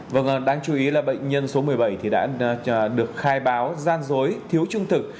vâng đáng chú ý là bệnh nhân số một mươi bảy thì đã được khai báo gian dối thiếu trung thực